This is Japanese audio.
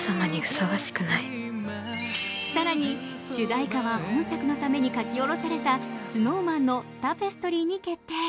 更に主題歌は本作のために書き下ろされたＳｎｏｗＭａｎの「タペストリー」に決定。